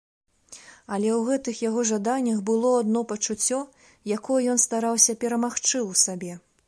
Але ў гэтых яго жаданнях было адно пачуццё, якое ён стараўся перамагчы ў сабе.